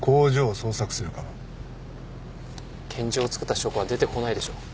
拳銃を作った証拠は出てこないでしょう。